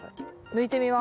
抜いてみます。